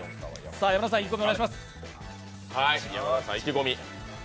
山田さん意気込みお願いします。